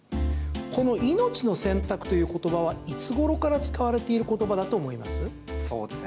この命の洗濯という言葉はいつごろから使われている言葉だと思います？